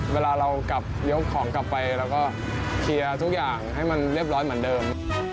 เวลาเรากลับยกของกลับไปเราก็เคลียร์ทุกอย่างให้มันเรียบร้อยเหมือนเดิม